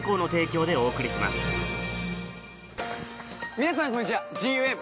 皆さんこんにちはＧＵＭ。